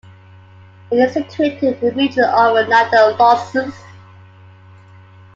It is situated in the region of Niederlausitz.